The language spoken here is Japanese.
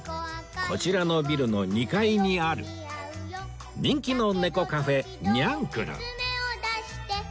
こちらのビルの２階にある人気の猫カフェにゃんくる